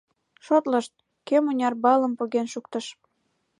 Шотлышт, кӧ мыняр баллым поген шуктыш.